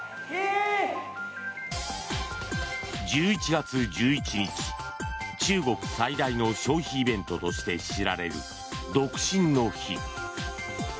１１月１１日中国最大の消費イベントとして知られる独身の日。